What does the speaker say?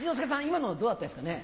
今のどうだったですかね？